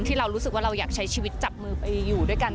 ที่เรารู้สึกว่าเราอยากใช้ชีวิตจับมือไปอยู่ด้วยกัน